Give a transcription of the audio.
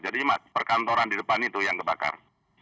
jadi cuma perkantoran di depan itu yang terbakar